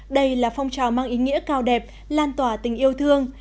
đây là phong trào mang ý nghĩa cao đẹp lan tỏa tình yêu thương